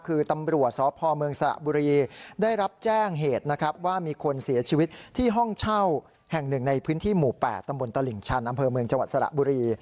คือตำรวจสพเมืองสระบุรีได้รับแจ้งเหตุนะครับว่ามีคนเสียชีวิตที่ห้องเช่าแห่งหนึ่งในพื้นที่หมู่๘ตำบลตลิ่งชันอำเภอเมืองจังหวัดสระบุรี